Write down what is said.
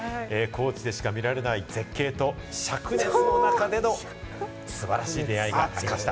高知でしか見られない絶景と灼熱の中での素晴らしい出会いがありました。